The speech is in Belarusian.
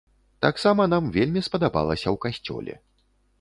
Таксама нам вельмі спадабалася ў касцёле.